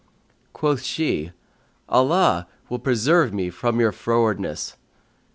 Quoth she, "Allah will preserve me from your frowardness!"